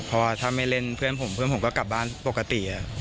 เพราะว่าถ้าไม่เล่นเพื่อนผมเพื่อนผมก็กลับบ้านปกติ